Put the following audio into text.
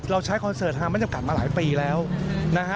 ใช้คอนเสิร์ตฮาไม่จำกัดมาหลายปีแล้วนะฮะ